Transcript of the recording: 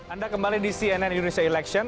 anda kembali di cnn indonesia election